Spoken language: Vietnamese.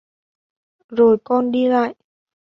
Rồi con đi lại